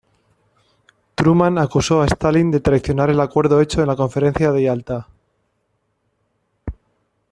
Truman acusó a Stalin de traicionar el acuerdo hecho en la Conferencia de Yalta.